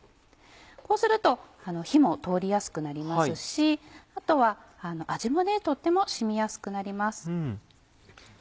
こうすると火も通りやすくなりますしあとは味もとっても染みやすくなります。